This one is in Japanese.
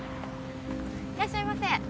いらっしゃいませ。